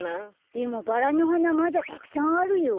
でもバラのはなまだたくさんあるよ。